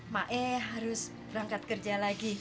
mak eh harus berangkat kerja lagi